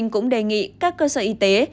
cũng đề nghị các cơ sở y tế